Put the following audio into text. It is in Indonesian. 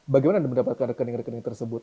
bagaimana anda mendapatkan rekening rekening tersebut